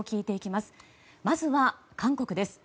まずは韓国です。